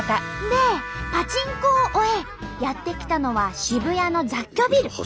でパチンコを終えやって来たのは渋谷の雑居ビル。